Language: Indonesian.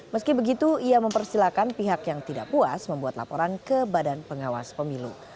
meski begitu ia mempersilahkan pihak yang tidak puas membuat laporan ke badan pengawas pemilu